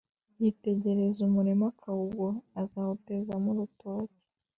Yitegereza umurima akawugura, azawutezamo urutoki